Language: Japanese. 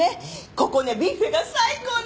ここねビュッフェが最高なの。